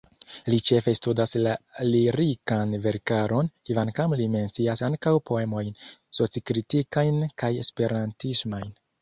Li ĉefe studas la lirikan verkaron, kvankam li mencias ankaŭ poemojn socikritikajn kaj esperantismajn.